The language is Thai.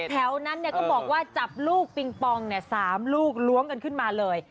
แถวนั้นก็บอกว่าจับลูกปิงปอง๓ลูกล้วงกันขึ้นมาเลย